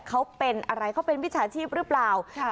เขาเป็นอะไรเขาเป็นวิชาชีพหรือเปล่า